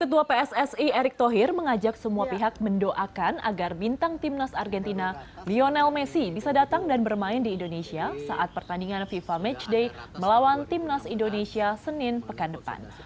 ketua pssi erick thohir mengajak semua pihak mendoakan agar bintang timnas argentina lionel messi bisa datang dan bermain di indonesia saat pertandingan fifa matchday melawan timnas indonesia senin pekan depan